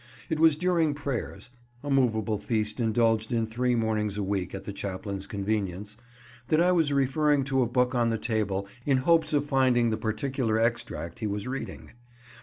It was during prayers (a movable feast indulged in three mornings a week at the chaplain's convenience) that I was referring to a book on the table in hopes of finding the particular extract he was reading.